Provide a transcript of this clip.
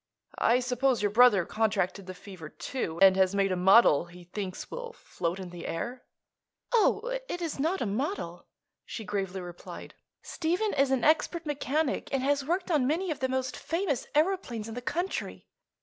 I suppose your brother contracted the fever, too, and has made a model he thinks will float in the air." "Oh, it is not a model," she gravely replied. "Stephen is an expert mechanic and has worked on many of the most famous aëroplanes in the country.